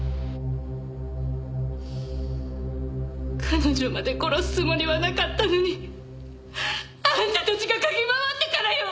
彼女まで殺すつもりはなかったのにあんたたちが嗅ぎ回ったからよ！